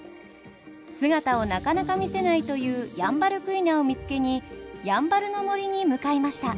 姿をなかなか見せないというヤンバルクイナを見つけにやんばるの森に向かいました。